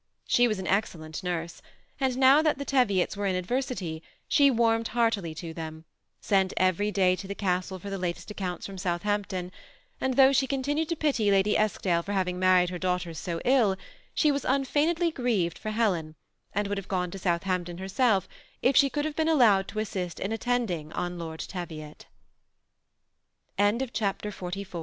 She was an excellent nurse ; and now that the Teviots were in adversity, she warmed heartily to them ; sent every day to the castle for the latest accounts from Southampton ; and though she continued to pity Lady Eskdale for having married her daughters so ill, she was unfeignedly grieved for Helen, and would have gone to Southampton herself if she could ha^« been allowed to assist in attending